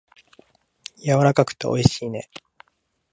やわらかくておいしいね。